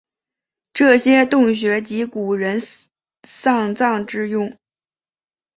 这些洞穴即古人丧葬之用。